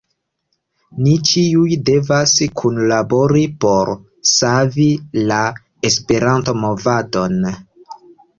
Ni ĉiuj devas kunlabori por savi la Esperanto-movadon.